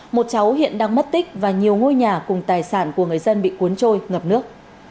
một cháu hiện đang mất tích và nhiều ngôi nhà cùng tài sản của người dân bị cuốn trôi ngập nước